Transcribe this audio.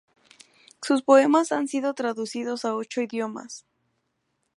Sus poemas han sido traducidos a ocho idiomas.